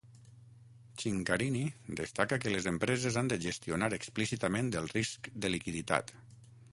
Chincarini destaca que les empreses han de gestionar explícitament el risc de liquiditat.